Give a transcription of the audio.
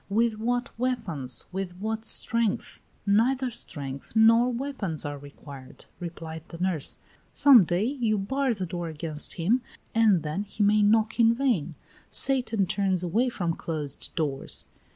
"With what weapons? With what strength?" "Neither strength nor weapons are required," replied the nurse. "Some day you bar the door against him, and then he may knock in vain. Satan turns away from closed doors."